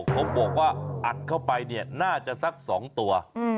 ผมบอกว่าอัดเข้าไปเนี่ยน่าจะสัก๒ตัว